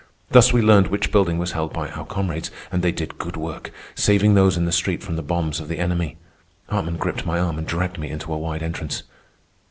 Thus we learned which building was held by our comrades, and they did good work, saving those in the street from the bombs of the enemy. Hartman gripped my arm and dragged me into a wide entrance.